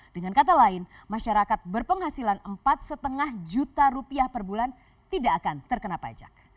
dengan kata lain masyarakat berpenghasilan empat lima juta rupiah per bulan tidak akan terkena pajak